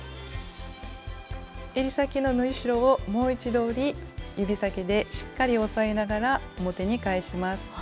えり先の縫い代をもう一度折り指先でしっかり押さえながら表に返します。